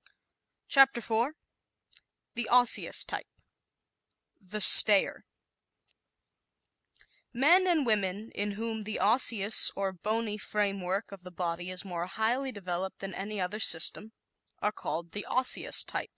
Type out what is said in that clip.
_ CHAPTER IV The Osseous Type "The Stayer" Men and women in whom the Osseous or bony framework of the body is more highly developed than any other system are called the Osseous type.